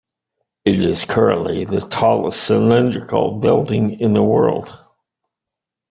It is currently the tallest cylindrical building in the world.